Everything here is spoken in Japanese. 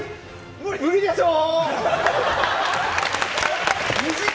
無理でしょー！